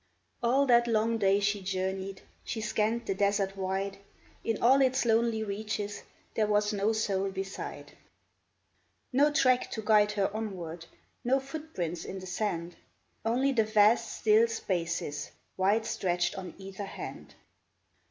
All that long day she journeyed ; She scanned the desert wide, In all its lonely reaches There was no soul beside — THE LEGEND OF THE BABOUSHKA 403 No track to guide her onward, No footprints in the sand, Only the vast, still spaces Wide stretched on either hand